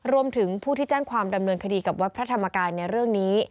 รวมถึงผู้ที่แจ้งความดำเนินคดีกับวัดพระธรรมกายในเรื่องนี้